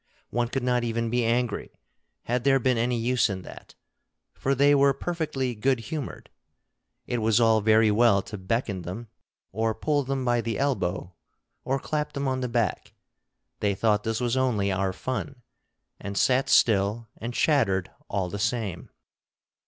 One could not even be angry, had there been any use in that, for they were perfectly good humored. It was all very well to beckon them, or pull them by the elbow, or clap them on the back; they thought this was only our fun, and sat still and chattered all the same.